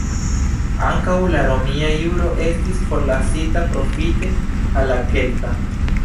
Ankaŭ la romia juro estis forlasita profite al la kelta.